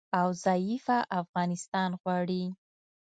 او ضعیفه افغانستان غواړي